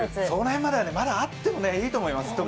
それまではまだあってもいいと思います。